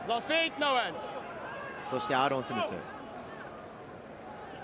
そしてアーロン・スミス。